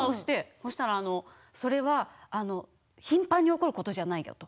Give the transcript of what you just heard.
そうしたら、それは頻繁に起こることじゃないよ